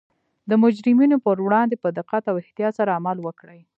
د مجرمینو پر وړاندې په دقت او احتیاط سره عمل وکړي